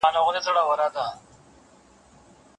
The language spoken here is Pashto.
څېړونکی له خپلي نيغي کرښي وتلی و.